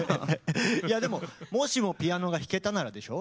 いやでも「もしもピアノが弾けたなら」でしょ？